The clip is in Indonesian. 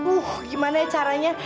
uh gimana caranya